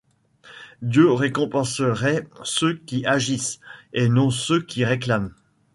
Dieu récompenserait ceux qui agissent, et non ceux qui réclament.